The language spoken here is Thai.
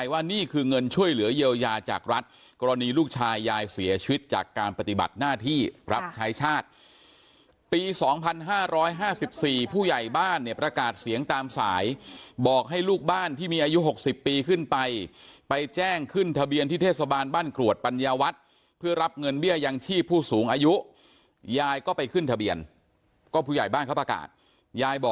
ว่านี่คือเงินช่วยเหลือเยียวยาจากรัฐกรณีลูกชายยายเสียชีวิตจากการปฏิบัติหน้าที่รับใช้ชาติปี๒๕๕๔ผู้ใหญ่บ้านเนี่ยประกาศเสียงตามสายบอกให้ลูกบ้านที่มีอายุ๖๐ปีขึ้นไปไปแจ้งขึ้นทะเบียนที่เทศบาลบ้านกรวดปัญญาวัฒน์เพื่อรับเงินเบี้ยยังชีพผู้สูงอายุยายก็ไปขึ้นทะเบียนก็ผู้ใหญ่บ้านเขาประกาศยายบ่